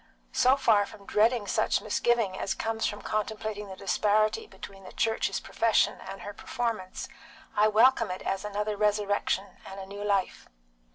So far from dreading such misgiving as comes from contemplating the disparity between the Church's profession and her performance, I welcome it as another resurrection and a new life."